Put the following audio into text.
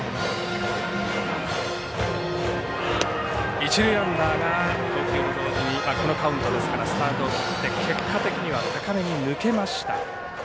一塁ランナーがこのカウントですからスタートを切って結果的には高めに抜けました。